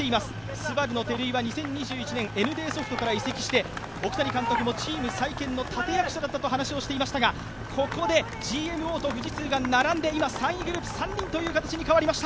ＳＵＢＡＲＵの照井は２０２１年、ＮＤソフトから移籍して監督も立て役者だと話していましたが、ここでＧＭＯと富士通が３位グループ３人という形に変わりました。